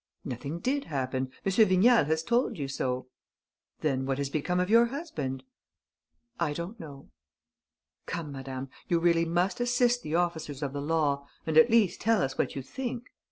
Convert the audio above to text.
"Nothing did happen. M. Vignal has told you so." "Then what has become of your husband?" "I don't know." "Come, madame, you really must assist the officers of the law and at least tell us what you think.